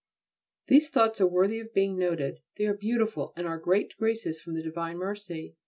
These thoughts are worthy of being noted; they are beautiful, and are great graces from the divine mercy.